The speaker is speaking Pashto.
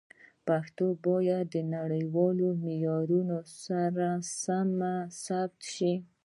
پښتو باید د نړیوالو معیارونو سره سم ثبت شي.